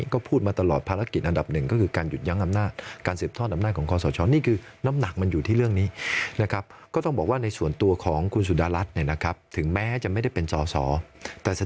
ก็พูดมาตลอดภารกิจอันดับ๑ก็คือการหยุดย้ำหน้า